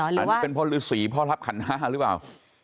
อันนี้เป็นพ่อฤษีพ่อรับขันห้าหรือเปล่า